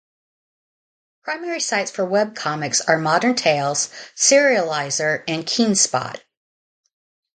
Primary sites for webcomics are Modern Tales, Serializer and KeenSpot.